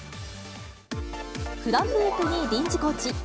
フラフープに臨時コーチ。